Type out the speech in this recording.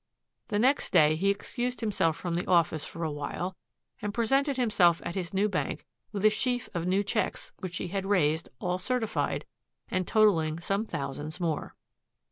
The next day he excused himself from the office for a while and presented himself at his new bank with a sheaf of new checks which she had raised, all certified, and totaling some thousands more.